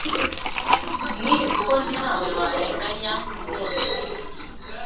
ni uko ntawe warenganya nubundi